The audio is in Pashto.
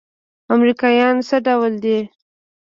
امريکايان څه ډول دي؟